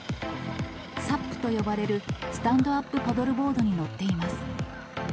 サップと呼ばれるスタンドアップパドルボードに乗っています。